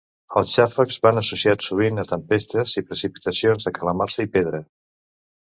Els xàfecs van associats sovint a tempestes i precipitacions de calamarsa i pedra.